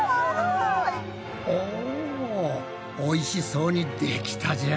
おぉおいしそうにできたじゃん！